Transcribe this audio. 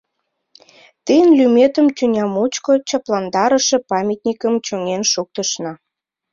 — Тыйын лӱметым тӱня мучко чапландарыше памятникым чоҥен шуктышна.